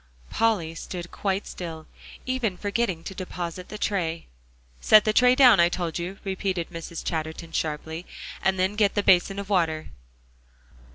Polly stood quite still, even forgetting to deposit the tray. "Set the tray down, I told you," repeated Mrs. Chatterton sharply, "and then get the basin of water."